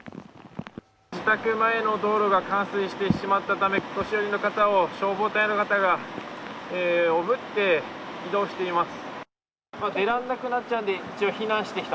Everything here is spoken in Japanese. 自宅前の道路が冠水してしまったため、お年寄りの方を消防隊の方がおぶって移動しています。